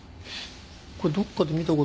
これどっかで見た事。